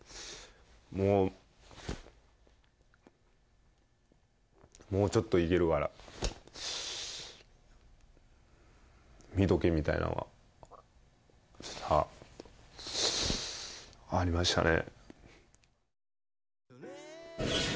もうもうちょっといけるから見とけみたいなのはありましたね